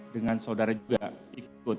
dengan saudara juga ikut